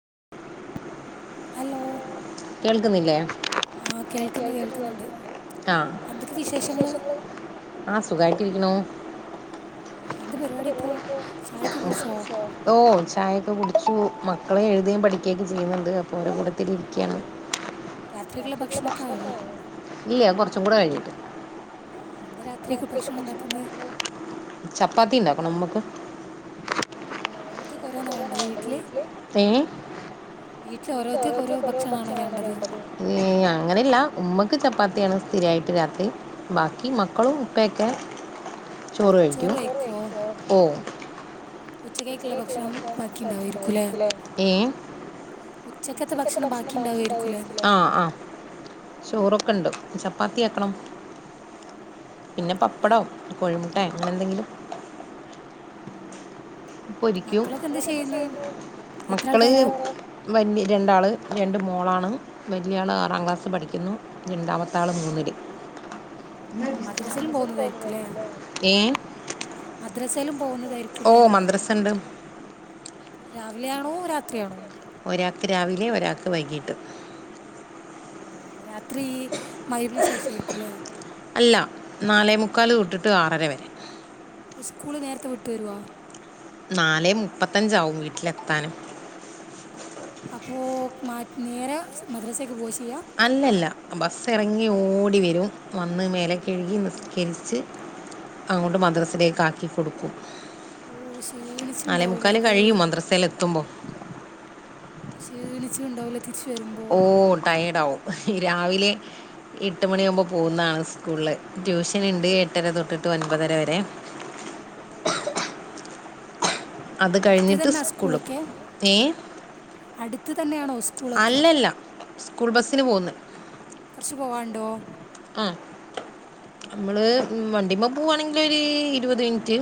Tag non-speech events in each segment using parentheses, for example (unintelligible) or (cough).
(unintelligible) Hello കേൾക്കുന്നില്ലേ ആ കേൾക്കുന്നു കേൾക്കുന്നുണ്ട് എന്തൊക്കെ വിശേഷങ്ങള് ആഹ സുഖമായിട്ടിരിക്കണോ ആ എന്താ പരിപാടി ഇപ്പോ ചായൊക്കെ കുടിച്ചോ ഓ ചായ ഒൊക്കെ കുടിച്ചു മക്കളും എഴുതുക പിക്കുകൊക്കെ ചെയ്യുന്നുണ്ട്പ്പോൾ ഓരോ കൂത്തി ഓ ഇരിക്കയാണ് രാത്രിക്കുള്ള ഭക്ഷണമൊക്കെ ആയോ ഇല്ല കുറച്ചും കൂടെ കഴിഞ്ഞിട്ട് ആഹ എന്ത്ാ രാത്രിക്ക ഭക്ഷണം ഉണ്ടാക്കുന്നത് ചപ്പാത്തി ഉണ്ടാക്കണം നമ്മുക്ക് ഓ ഓരത്തേക്ക് ഓരോന്നാ വേണ്ടത് വീട്ടില് ഏ എട്ട് അങ്ങനെല്ല ഉമ്മക്ക് ചപ്പാത്തിയാണ് സ്ഥിരായിട്ട് രാത്രി ബാക്കി ഓ, മക്കളും ഉ പ്പയൊക്കെ ചോറ് കഴിക്കും ഓ ഉച്ചക്കേക്കുള്ള ഭക്ഷണം ബാക്കി ഉണ്ടാവുമായിരിക്കുംല്ലേ (inaudible) ഏ ഉച്ചക്കത്തെ ഭക്ഷണം പാ ഇക്ക് ആ ത്രം ഓ പിന്നെ പ്പം പ്പടോ കോഴിമു ആ പൊരിക്കും മക്കളൊക്കെ എന്ത് ചെയ്യുന്ന് എത്ര മക്കള് ആൾക്കാരാ വല്ല്യ രണ്ടാള് രണ്ടും മോളാണ് വെല്ല്യ ആള് ആറാം ക്ലാസ്സ് പഠിക്കുന്നു രണ്ടാമത്ത ആള് മൂന്നില് ഓ മദ്രസയിലും പോകുന്നതായിരിക്കുംല്ലേ ഏ മദ്രസയിലും ഓ പോകുന്നതായിരിക്കൂലേന്ന് മദ്രസണ്ട് രാവിലെയാണോ രാത്രിയാണോ ഒരാക്ക് രാവിലെ ഓ രാത്രി അല്ല നാലേ മുക്കാല് തൊട്ട് ട്ട് ആറര വരെ അപ്പൊ സ്കൂള് നേരത്തെ വിട്ട് വരോ നാലേ മുപ്പത്തഞ്ചാവും വീട്ടിലെത്താന് അപ്പോ മാറ്റ് നേരെ മദ്രസക്ക് പോയി അല്ലല്ല ബസ് ഇറങ്ങി ഓടി വരും വന്ന് മേലെ അള്ളോ കഴുകി നിസ്കരിച്ച് അങ്ങോട്ട് മദ്രസിലേക്ക് ആക്കി കൊടുക്കും ഓ നാലേ ക്ഷീണിച്ചിണ്ടാവൂലേ മുക്കാല് അത് കഴിയും മദ്രസെൽ എത്തുമ്പോ ക്ഷീണിച്ച്ണ്ടാവലേ ഓ ടയേർടാവും ഈ രാവിലെ എട്ട് ട്യൂഷൻ ഇണ്ട് എട്ടര തൊട്ടിട്ട് ഒൻപതര വരെ ഓ അത് അടുത്ത് കഴിഞ്ഞിട്ട് തന്നാ സ്കൂളിൽ സ്കൂളൊക്കെ പോകും ഏ അടുത്ത് തന്നെയാണൊ സ്കൂളൊക്കെ. അല്ലല്ല സ്കൂൾ ബസ്സിന് പോകുന്നത് കൊറച്ച് പോവാൺ ണ്ടോ ആ അമ്മള് ഉം വണ്ടിമ്മെ പോവാണ്ങ്കിലൊര് ഇരുവത് മിൻറ്റ്.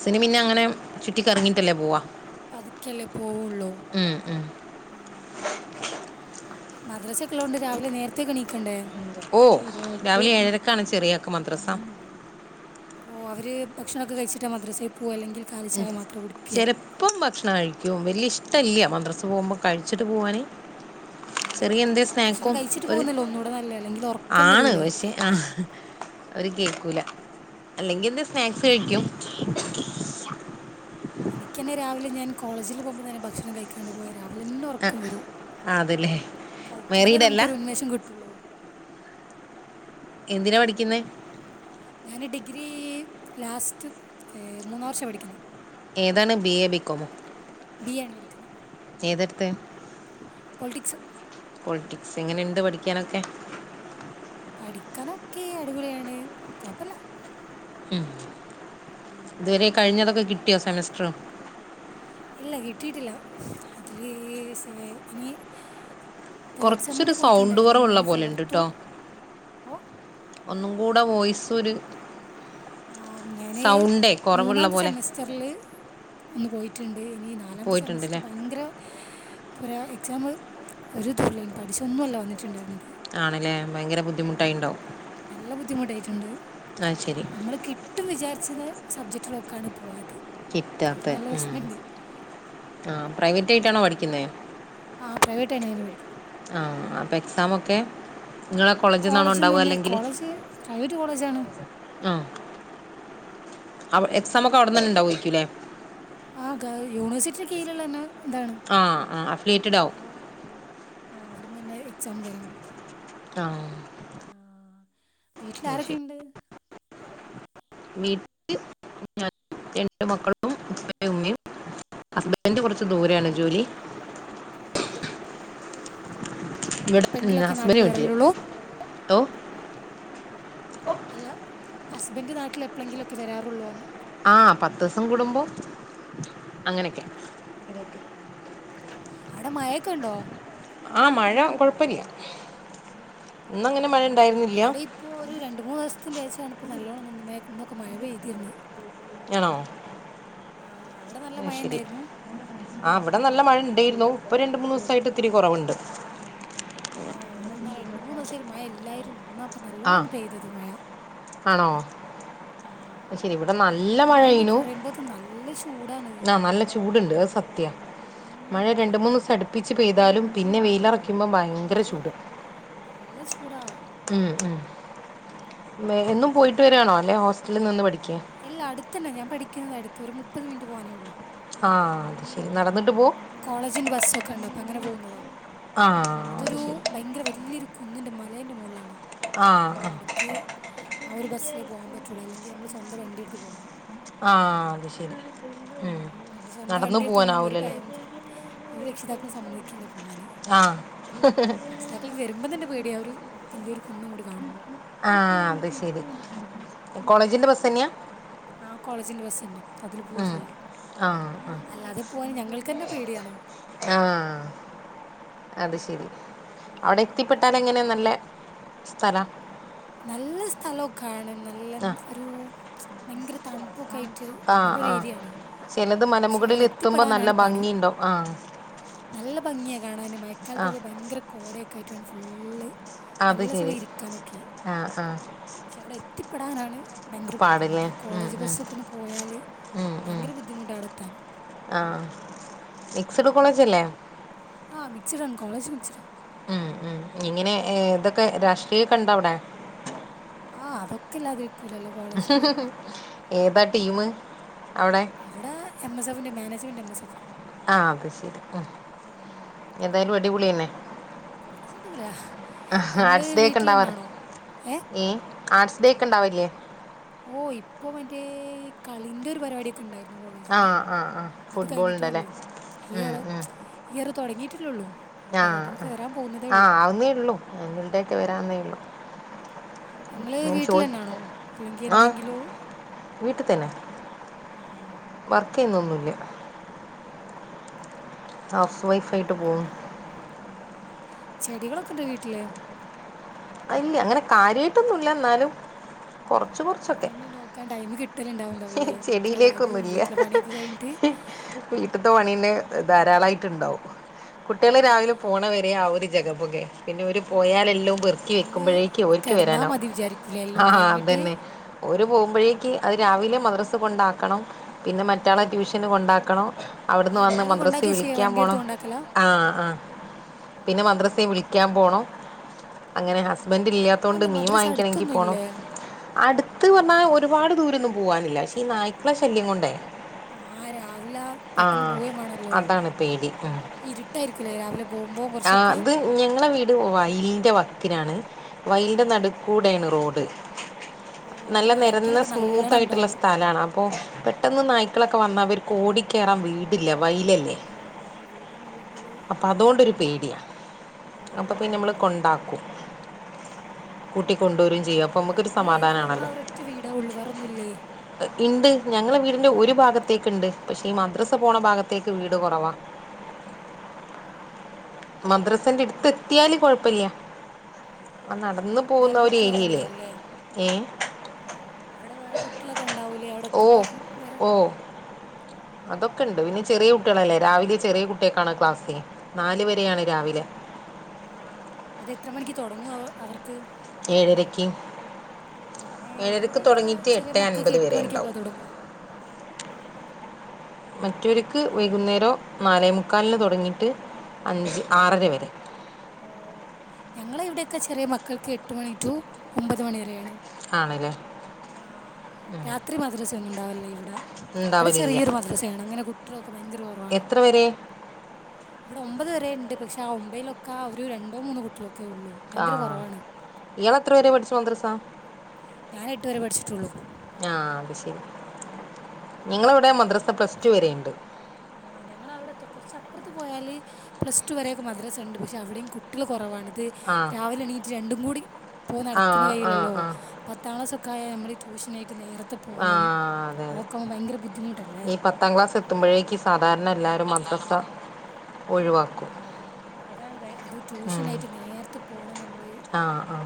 ആ മിന്നെ അങ്ങനെ ചുറ്റിക്കറങ്ങീട്ടല്ലെ പോവ പതുക്കല്ലെ പോവൂള്ളു ഉം മ് മദ്രസക്കെള്ളോണ്ട് രാവിലെ നേരത്തെ ക്കെണീക്കണ്ടെ ഓ രാവിലെ ഏഴരക്കാണ് ചെറിയാക്ക് മദ്രസ അപ്പോ അവര് ഭക്ഷണൊക്കെ കഴിച്ചിട്ട മദ്രസയി പോവ അല്ലെങ്കിൽ ഉം കാലിച്ചായ മാത്രം കുടിക്കുക ചെലപ്പം ഭക്ഷണ കഴിക്കും വലിയ ഇഷ് ഇട്ടല്ല മദ്രസ് പോവുമ്പൊ കഴിച്ചിട്ട് പൂവാന് ആഹ് ചെറിയ എന്തെ സ്നാക്കൊ ഒര് നല്ല അല്ലെങ്കിൽ ഉറക്കം ആണ് വരൂലേ പക്ഷെ ആ നീ ഓര് കേക്കൂല. അല്ലെങ്കി എന്ത് ആ സ്നാക്ഴിക്കും എനിക്കന്നെ രാവിലെ ഞാൻ കോളേജില് പോവുമ്പൊ തന്നെ ഭക്ഷണം കഴിക്കാണ്ട് പോയ രാവിലെന്നെ ഒറക്കം വരും. ആ അതല്ലേ കഴിച്ചാലെ മാരീഡ് അല്ല നമുക്കൊരു ഉന്മേഷം കിട്ടൊള്ളു എന്തിനാ പഠിക്ക്ന്നെ ഞാൻ ഡിഗ്രീ ലാസ്റ്റ് ഏ മൂന്നാ വർഷ പഠിക്ക്ന്നെ ഏതാണ് ബി, ഏ, ബീക്കോമൊ ബി എ ണ് പഠിക്ക്ന്ന് ഏതെട്ത്ത് പൊളിട്ടിക്സ് പൊളിറ്റിക്സ് എങ്ങന്ണ്ട് പഠിക്കാനൊക്കെ പഠിക്കനൊക്കെ അടിപൊളിയാണ് കൊഴപ്പല്ല മംഇതുവരെ ഉം. കഴിഞ്ഞതൊക്കെ കിട്ടിയൊ സെമസ്റ്ററ് ഇല്ല കിട്ടീട്ടില്ല അതില് സെ ഇനി തേർഡ് കുറച്ചൊരു സെമ്മിന്റെ സൗണ്ട് പോയിറ്റ്ണ്ടായിരുന്നു. കുറവുള്ള ഇനി പോലെ ഉണ്ട് ഫോർത്തും കേട്ടോ ഓ ഒന്നും കൂടെ വോയ്സൊര് ആ ഞാന് മൂന്നാമ്ത്തെ പോലെ സെമസ്റ്ററ്ല് ഒന്ന് പോയിട്ട്ണ്ട് ഇനി നാലാമത്തെ പോയിട്ടുണ്ടല്ലേ സെമസ്റ്ററ് ഭയങ്കര പറയാ എക്സാമ് ഒരു ദൂർലൈൻ പഠിച്ച ഒന്നും അല്ല വന്നിട്ട്ണ്ടായിരുന്നെ ആണല്ലേ ഭയങ്കര ബുദ്ധിമുട്ടായിണ്ടാവും നല്ല ബുദ്ധിമുട്ടായിട്ടുണ്ട് അയ് ശരി നമ്മൾ കിട്ടും വിജാരിച്ചത്ണ സബ്ജക്റ്റുളൊക്കാണ് പോയത് കിറ്റാത്ത അതിൽ നല്ല മം വിഷമമുണ്ട് ആപ്രൈവറ്റ് പ്രൈവറ്റ് ആയിട്ടാണോ പഠിക്ക്ന്നെ ആ പ്രൈവറ്റാണ് ഞാൻ പഠിക്കുന്നത് ആ അപ്പം എക്സാമൊക്കെ നിങ്ങളെ കോളേജിൽ നിന്നാണോ ഉണ്ടാവുക കോളേജ്ന്നന്നെ. അല്ലെങ്കിൽ കോളേജ് പ്രൈവറ്റ് കോളേജാണ് അവ് ആഹ് എക്സാമൊക്കെ അവിട്ന്നന്നെ ഉണ്ടാവൊയ്ക്കുലെ ആ ഗവ് യൂണിവേഴ്സിറ്റി കീഴിലുള്ളന്ന ആ ആ അപ്ലേറ്റഡാവും ആ അവിട്ന്നന്നെ എക്സാമും കാര്യങ്ങളൊക്കെ ആ ആ വീട്ട്ലാരക്കെണ്ട് വീട്ടില് ഞാനും രണ്ട് മക്കളും (unintelligible) ഉമ്മെ ഹസ്ബെന്റ കൊറച്ച് ദൂരേണ് ജോലി അപ്പൊ ഇവടെ ന്ന എപ്പോഴെങ്കിലുമൊക്കെ ഹസ്ബെന് നാട്ടിൽ വീട്ടില് വരലുള്ളൂ ത്തോ അല്ല ഹസ്ബന്റ നാട്ട്ല് എപ്പളെങ്കിലൊക്കെ വരാറുള്ളൊന്ന് ആ പത്തൂസം കൂടുമ്പൊ അങ്ങനെയൊക്കെ ആ അവിടെ മഴൊക്കെ ഉണ്ടോ ആ മഴ കുഴപ്പമില്ലാ ഇവിടെ ഇപ്പോൾ ഒരു രണ്ട് മൂന്ന് ദിവസത്തിന്റെ ശേഷാണ് ഇപ്പോ നല്ലോണ്ണം മഴ പെയ്തിരുന്നു ആണോ അവിടെ നല്ല മം മഴ ശരി തന്നെയായിരുന്നു ആ ഇവിടെ നല്ല മഴയുണ്ട് ഇണ്ടായിരുന്നു ഇപ്പ രണ്ട് മൂന്ന് ദിവസായിട്ട് ഒത്തിരി കുറവുണ്ട് ഏഹ് ഇവിടെന്നാ രണ്ട് മൂന്ന് ദിവസായിട്ട് മഴ ഇല്ലായിരുന്നു ഇന്ന ഇപ്പൊ ആ നല്ലോണം ഒന്ന് പെയ്തത് മഴ ആണോ ആ, ആഹ് ശരി ഇവിടെ നല്ല മഴ ഒന്ന് പെയ്യണു കുറയുമ്പോത്തിന് നല്ല ചൂടാണ് ആ നല്ല ചൂടുണ്ട് സത്യം ഉം മഴ രണ്ടു മൂന്ന് ദിവസം എടുത്ത് അടുപ്പിച്ച് പെയ്താലും പിന്നെ വെയിലുറക്കുമ്പോൾ ഭയങ്കര ചൂട് വെയിലറക്ക നല്ല ചൂടാ മം മം എന്നും പോയിട്ട് വരിയാണോ അല്ലേൽ ഹോസ്റ്റലിൽ നിന്ന് പഠിക്ക ഇല്ല അടുത്ത് തന്നെ ഞാൻ പഠിക്കുന്നുന്നത് അടുത്ത് ഒരു മുപ്പത് മിനിറ്റ് പോകാനെ ഉള്ളൂ ആ അത് ശരി നടന്നിട്ട് പോകും കോളേജിന്റെ ബസ്സൊക്കെ ഇണ്ട് ഇപ്പൊ അങ്ങനെ പോകുന്നതാ ആഹ് അത് ഇതൊരു ശരി ഭയങ്കര വലിയൊരു കുന്നി്ൻ്റെ മലൻ്റെ മുകളിലാണ് ആഹ് ഒ ആഹ് അവിടക്ക് ആ ഒരു ബസ്സിലേ പോകൻ പറ്റുള്ളു അല്ലെങ്കിൽ നമ്മള് സ്വന്തം വണ്ടി എടുത്ത് പോകണം ആ അത് ശരി ഉം നമ്മുടെ സ്വന്തം നടന്നു വണ്ടിയടുത്തൊന്നും ഒരു പോവാനാവൂലല്ലേ പേരന്റ്സും ഒരു രക്ഷിതാക്കളും സമ്മതിക്കില്ല പോവാന് ആ രക്ഷിതാക്കൾക്ക് വരുമ്പോൾ തന്നെ പേടിയ ഒരു വലിയൊരു കുന്ന് ഇങ്ങോട്ട് കാണുമ്പോൾ ആ അത് ശരി ആഹ് കോളേജിന്റെ ബസ് അപ്പം തന്നെയാ ആ കോളേജിന്റെ ബസ്സ് തന്നെ അതില് പോവാ ഉം ചെയ്യാ ആഹ് ആഹ് അല്ലാതെ പോവാന് ഞങ്ങൾക്ക്ന്റെ പേടിയാണ് ആഹ് അത് ശരി അവിടെ ഉം എത്തിപ്പെട്ടാല് എങ്ങനെ നല്ല സ്ഥലം നല്ല സ്ഥലം ഒക്കാണ് നല്ല് ആഹ് ഒരു ഭയങ്കര തണു പ്പൊക്കെ ആയിട്ട് നല്ലൊരു ഏരിയാണ്. ത് മലമുകളിൽ എത്തുമ്പോൾ നല്ല ഭംഗിയുണ്ടോ ആഹ് ഭംഗിയ കാണാന് ആഹ് മഴക്കാലത്തൊക്കെ ഭയങ്കര കോടയൊക്കെ ആയിട്ടാണ് ഫുളള് അത്ശരി ആഹ് ആഹ്. പക്ഷെ അവിടെ എത്തിപ്പെടാനാണ് ഭയങ്കര ബുദ്ധിമുട്ട് പാടല്ലേ ആ ഉം കോളേജ് ഉം ബസ്സൊക്കെ ഒന്ന് പോയാല് ഉം ഉം ഭയങ്കരബുദ്ധിമുട്ടാണ്. ആഹ് ഉം. മിക്സഡ് കോളേജ് അല്ലേ? ആ മിക്സിഡാണ് കോളേജ് മിക്സിഡാ. ഉം ഉം ഇങ്ങനെ ഏഹ് ഇതൊക്കെ രാഷ്ട്രീയം ഒക്കെ ഉണ്ടോ അവിടെ? ആഹ് അതൊക്കെ ഇല്ലാതിരി ഏതാ ടീമ് അവിടെ? Management M S F. ആഹ് അത്ശരി ഉം ഏതായാലും അടിപൊളി തന്നെ. കോളേജടിപൊളിയാ. ആഹ് ആർട്ട്സ് ഡേയ്ക്ക് ഒക്കെ ഉണ്ടാവാർ ഏ ഏഹ് ആർട്സ് ഡേയ്ക്കെണ്ടാവില്ലേ? ഓ ഇപ്പൊ മറ്റേ കളിന്റെ ഒരു പരിപാടി ആഹ് ആഹ് ആഹ് കഴിഞ്ഞിട്ടേ ഫുട്ബോളിന്റെല്ലേ? ഉള്ളൂ ഇയർ ഈ ഇയർ തുടങ്ങിട്ടല്ലെ ഉള്ളൂ അപ്പൊ ആഹ് പരിപാടികൾക്ക് വരാൻ പോകുന്നതേ ഉള്ളു ആഹ് ആവുന്നേ ഉള്ളൂ ആനുവൽ ഡേ ഒക്കെ ആഹ്. വരാവുന്നേ ഉള്ളൂ ഇങ്ങള് ഞാൻ ചോദി വീട്ടിൽന്നാണോ അല്ലെങ്കി ആഹ് എന്തെങ്കിലോ? വീട്ടിൽ തന്നെ വർക്ക് ചെയ്യുന്നൊന്നുമില്ല. ഓഹ് ഹൗസ് വൈഫ് ആയിട്ട് പോകുന്നു. ആഹ് ചെടികളൊക്കെണ്ടോ വീട്ടില്? അ ഇല്ല്യ അങ്ങനെ കാര്യമായിട്ടൊന്നുമല്ല എന്നാലും അതൊന്നും നോക്കാൻ ടൈം കി ചെടിയിലേക്കൊന്നുംല്ല പണിയൊക്കെ കഴിഞ്ഞിട്ട് വീട്ടത്തെ പണീയന്നെ (unintelligible) ധാരാളായിണ്ടാവും ഓ കുട്ട്യള് അപ്പോൾ രാവിലെ പോണ വരെ അവര്. ജഗപ്പൊഗേ പിന്നെ ഓരു പോയാലല്ലോ പെറുക്കി ഒന്ന് വെക്കുമ്പഴേക്കും ഓരിക്ക് കിടന്നാ വരാനാവും മതി വിചാരിക്കൂലേ എല്ലാം ആഹ് കഴിഞ്ഞിട്ട് അതന്നെ ഓ (unintelligible) പോകുമ്പഴേക്ക് അതി രാവിലെ മദ്രസേ കൊണ്ടാക്കണം. പിന്നെ മറ്റാളെ ട്യൂഷന് കൊണ്ടാക്കണം അവിടുന്ന് വന്ന് ഇങ്ങള് മദ്രസേൽ കൊണ്ടാക്കുക ചെയ്യ വിളിക്കാൻ വണ്ടി എടുത്ത് പോണം. കൊണ്ടാക്കലാ ആഹ് ആഹ് ഓ പിന്നെ മദ്രസേൽ വിളിക്കാൻ പോണം. ആ അങ്ങനെ ഹസ്ബൻഡ് ഇല്ലാത്തോണ്ട് അതെന്താ മീൻ മദ്രസ വാങ്ങിക്കണെങ്കി അടുത്തൊന്നും പോണം. ഇല്ലേ അടുത്ത് വന്നാ ഒരുപാട് ദൂരൊന്നും പോവാനില്ല. പക്ഷെ ഈ നായ്ക്കളെ ശല്യം കൊണ്ടേ. ആരാ ആഹ് അതാണ് പേടി ഉം ഇരുട്ടായിരിക്കൂലേ രാവിലെ പോകുമ്പോൾ ആഹ് കുറച്ചൊക്കെ ഇത് ഞങ്ങളെ വീട് വയീന്റെ വ (unintelligible) വയീന്റെ ആ നടുക്കൂടേണ് റോഡ്. ഓ അപ്പൊ നല്ല നെരന്ന നായ്ക്കളൊക്കെ സ്മൂത്ത് നല്ലോണം ആയിട്ടുള്ള ഉണ്ടാവും സ്ഥലാണ് അപ്പൊ പെട്ടെന്ന് നായ് (unintelligible) വന്ന അവർക്ക് ഓടി കയറാൻ വീടില്ല. വയീലല്ലേ, ആ വീടൊന്നുമില്ലെങ്കില് അപ്പൊ അതൊണ്ടൊരു പേടിയാ. ഓ അപ്പൊ പിന്നെ അമ്മള് അങ്ങനെ കൊണ്ടാക്കും. ആ കൂട്ടി കൊണ്ടു വരുകയും ചെയ്യും. അപ്പൊ അമ്മക്കൊരു നിങ്ങളെ ഏരിയയിൽ നിങ്ങളെ സമാധാനാണല്ലോ. ഒരൊറ്റ വീടേ ഉള്ളൂ വേറൊന്നുമില്ലേ ഇണ്ട് ഞങ്ങളെ വീടിന്റെ ഒരു ഭാഗത്തേക്ക് ഇണ്ട്. പക്ഷേ ഈ മദ്രസ പോണ ഭാഗത്തേക്ക് വീട് കൊറവാ. ആ അങ്ങനെ മദ്രസേന്റെ അടുത്ത് എത്തിയാല് കൊഴപ്പില്ല. ആ ആഹ് നടന്ന് വേറെ പോകുന്ന ഒരു കുട്ടികളൊക്കെ ഏരിയയില് ഉണ്ടാവൂലേ ഏഹ് അവിടെ വേറെ കുട്ട്യാള ക്കെ ഇണ്ടാവൂലേ അയുടെ ഓ എത്തുമ്പോക്ക് വെറെ ഓ അതൊക്കെ ഉണ്ട് പിന്നെ ചെറിയ കുട്ടെൾ അല്ലേ രാവിലിം ചെറെ കുട്ടെക്കാണെ ക്ലാസെ നാല് വെരെയാണ് രാവിലെ ആ അത് എത്ര മണിക്ക് തൊടങ്ങും അവ അവർക്ക് ഏഴരെക്ക് ഏ ഏഴരക്ക് ഇവിടെയൊക്കെ തൊടങ്ങീട്ട് ചെറിയ എട്ട് മക്കൾക്ക് അന്പത് എട്ട് വരെ മണിക്കൊക്കെ ഇണ്ടാവും തുടങ്ങുക മകോര്ക്ക് വൈകുന്നേരം നാലെമുക്കാൽന് തൊടങ്ങിട്ട് അഞ്ച് ആറര വെരെ ഓ ഞങ്ങളെ ഇവിടെ ഒക്കെ ചെറിയ മക്കൾക്ക് എട്ട് മണി ടു ഒമ്പത് മണി വരെയാണ് ആണ് ലെ ആ രാത്രി മദ്റസ ഒന്നും ഇണ്ടാവൽ ഇല്ല ഇവിടെ ഇബടെ ഉണ്ടാവലില്ല ചെറിയൊരു മദ്രസയാണ് അങ്ങനെ കുട്ടിളൊക്കെ ഭയങ്കര കൊറവാണ് എത്ര വരെ ഇവ്ടെ ഒമ്പത് വെരെ ഇണ്ട് പക്ഷെ ആ ഒമ്പെയ്ലൊക്കെ ആ ഒരു രണ്ടോ മൂന്നോ കുട്ടിളൊ ആ ഇയാൾ എത്ര വെരെ പഠിച്ചു മദ്രസ ഞാൻ എട്ട് വരെ പഠിച്ചിട്ടൊള്ളു ആ ഞങ്ങളെ ഇവടെ മദ്രസ പ്ലസ് ടു വരെ ഇണ്ട് ആ ഞങ്ങളെ അയുടെ കൊറച്ച് അപ്പർത്ത് പോയാല് പ്ലസ് ടു വരെയൊക്കെ മദ്രാസ ഇണ്ട് പക്ഷെ അവിടെം കുട്ടെൾ കൊറവാണ് ത് ആ രാവിലെ എണീട്ട് രണ്ടും കൂടി പ്പോ ആ നട്ക്ക്ന്ന കാര്യ ആ അല്ലല്ലോ ആ പത്താം ക്ലാസ് ക്കെ ആയാ നമ്മളീ ട്യൂഷനായിട്ട് നേര ആ അതെ അതെ ബുദ്ധിമുട്ടല്ലേ ഈ പത്താം ക്ലാസ്സ് എത്തുമ്പഴേക്ക് സാധാരണ എല്ലാരും മദ്രസ ഒഴിവാക്കും ആഹ് അതാണ് ഭയ അത് ഉം. ട്യൂഷനായിട്ട് നേര്ത്തെ പോണം ഞമ്മ ആ ആ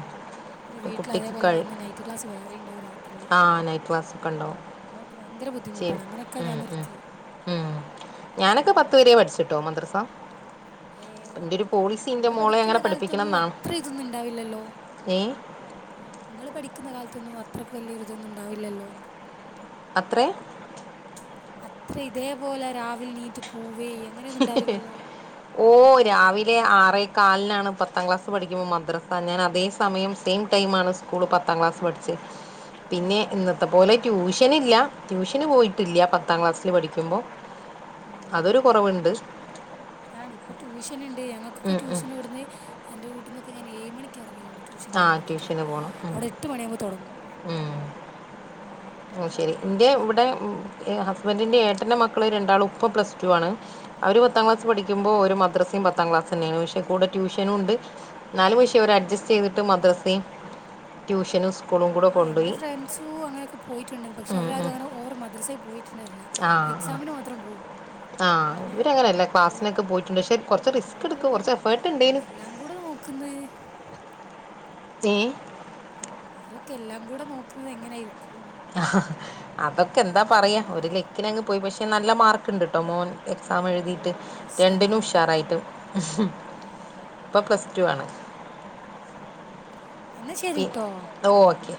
പിന്നെ ഒരു വീട്ടിൽ കുട്ടിക്ക് അതേപോലെ കഴി വന്ന് നൈറ്റ് ക്ലാസ് വെറെ ഇണ്ടാവും രാ ആ നൈറ്റ് ക്ലാസ് ഒക്കെ ഇണ്ടാവും ഭയങ്കര ബുദ്ധിമുട്ടാണ് അങ്ങനൊക്കെ ഞാൻ നിർത്തിയെ ഉം ഞാനൊക്കെ പത്ത് വെരെ പഠിച്ച്ട്ടോ മദ്രസ ഏ എന്റെ ഒരു പോളിസി ഇന്റെ മോളെ അങ്ങനെ പഠിപ്പിക്കണംന്നാണ് അത്ര ഏ ഇങ്ങൾ പഠിക്ക്ന്ന കാൽത്തൊന്നും അത്രയ്ക്ക് വല്ലിയൊര് ഇതൊന്നും ഇണ്ടാവൽ ഇല്ലല്ലോ അത്രേ അത്രേ ഇതേപോലെ രാവിലെ നീറ്റ് പോ വേ അങ്ങനെ ഒന്നും ഇണ്ടാവൽ ഇല്ലല്ലോ ഓ രാവിലെ ആറേ കാലിനാണ് പത്താം ക്ലാസ് പഠിക്കുമ്പോ മദ്രസ ഞാൻ അതേ സമയം സെയിം ടൈ ആണ് സ് സ്കൂൾ പത്താം ക്ലാസ് പഠിച്ചെ പിന്നെ ഓഹ് ഇന്നത്തെ പോലെ ട്യൂഷൻ ഷനില്ല ട്യൂഷന് പോയിട്ടില്ല പത്താം ക്ലാസ്സിൽ പഠിക്കുമ്പോ അതൊരു ആഹ് കൊറവ്ണ്ട് അതാണ് ഇപ്പ ട്യൂഷൻ ഇണ്ട് ഞങ്ങൾക്കൊക്കെ ഉം ഉം ട്യൂഷൻ ഇവട്ന്ന് എൻ്റെ വീട്ട്ന്ന് ക്കെ ഞാൻ ഏഴ് മണിക്ക് എറങ്ങൽ ഇണ്ട് ട്യൂഷന് ആ പോകാൻ വാണ്ടിയിട്ട് ട്യൂഷന് പോണം ഉം അയുടെ എട്ട് മണിയാകുമ്പോ തെടങ്ങു ഓ ശരി ഇന്റെ ഇവ്ടെ ഉം ഹസ്ബൻഡിന്റെ ഏട്ട ന്റെ മക്കൾ രണ്ടാളും ഇപ്പ പ്ലസ് ടു ആണ് അവര് പത്താം ക്ലാസ് പഠിക്കുമ്പോ ഓര് മദ്രസിം പത്താം ക്ലാസെന്നെയാണ് പക്ഷെ കൂടെ ട്യൂഷനും ഉണ്ട് ഇന്നാലും പക്ഷേ ഓര് അഡ്ജസ്റ്റ് ചെയ്തിട്ട് മദ്രസെയും ട്യൂഷനും സ് ആ എന്റെ ഫ്രണ്ട്സും അങ്ങനെയൊക്കെ പോയിട്ട്ണ്ട് പക്ഷെ ഉം, അവര് ഉം. ആരും അങ്ങനെ ഓവർ മദ്രസയിൽ പോയി ട്ട് ഇണ്ടായിന്നില്ല ആ ആ എക്സാമിന് മാത്രം പോവും ആ അല്ലാതെ ഇവര് അങ്ങനെ അല്ല എല്ലാം ക്ലാസ്സിനൊക്കെ പോയിട്ടുണ്ട് പക്ഷെ കൊറച്ച് ഏ റിസ്ക് ഇട്ക്കും കൊർച്ച് എഫേർട്ട് ഇണ്ടേയ്നു നോക്കുന്നെയ് ഏ അവരൊക്കെ എല്ലാം കൂടെ നോക്ക്ന്നത് എങ്ങനെയായി അതൊക്കെ എന്താ പറയാ എക്സാമും ഒരു ലെക്കിനങ്ങ് പോയി പക്ഷെ നല്ല മാർക്ക് ഇണ്ട്ട്ടോ മോൻ എക്സാം ഓ എഴുതിയിട്ട് മാഷാ അല്ലാഹ് രണ്ടിനും അടിപൊളി ഉഷാറായിട്ട് ആ ഇപ്പൊ പ്ലസ് ടു ആണ് എന്നാ പി ശരിട്ടോ ഓക്കെ